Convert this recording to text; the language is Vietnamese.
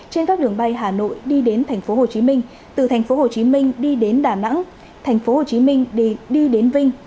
trên các đường bay hà nội đi đến tp hcm từ tp hcm đi đến đà nẵng tp hcm đi đến vinh